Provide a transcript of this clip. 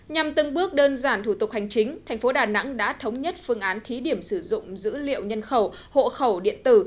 nhằm tương bước đơn giản thủ tục hành chính thành phố đà nẵng đã thống nhất phương án thí điểm sử dụng dữ liệu nhân khẩu hộ khẩu điện tử